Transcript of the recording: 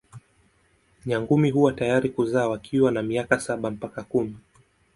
Nyangumi huwa tayari kuzaa wakiwa na miaka saba mpaka kumi.